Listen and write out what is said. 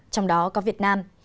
trong đó có việt nam